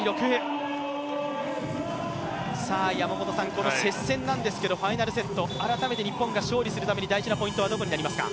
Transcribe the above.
この接戦なんですがこのファイナルセット日本が勝つためには大事なポイントはどこになりますか。